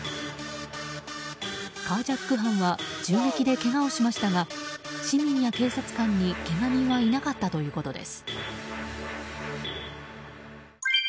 カージャック犯は銃撃でけがをしましたが市民や警察官に、けが人はいなかったということです。